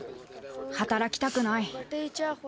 働きたくない。